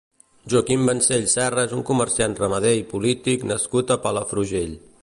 Joaquim Vencells Serra és un comerciant ramader i polític nascut a Palafrugell.